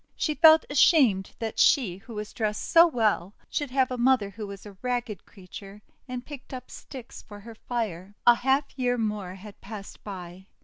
She felt ashamed that she, who was dressed so well, should have a mother who was a ragged creature and picked up sticks for her fire. A half year more had passed by.